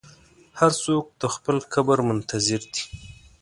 هر څوک د خپل قبر منتظر دی.